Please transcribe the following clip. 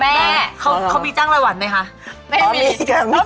แม่เขามีจ้างรายวันไหมค่ะ